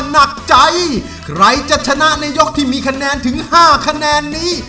ในยกที่มีคะแนนถึง๕คะแนนนี้